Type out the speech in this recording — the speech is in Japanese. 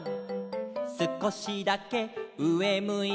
「すこしだけうえむいて」